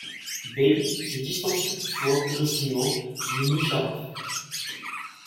Beg se distancie toutefois progressivement de Musharraf.